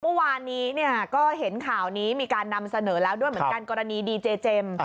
เมื่อวานนี้เนี่ยก็เห็นข่าวนี้มีการนำเสนอแล้วด้วยเหมือนกันกรณีดีเจเจมส์